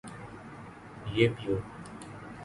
یہ پیو